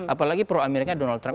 apalagi pro amerika donald trump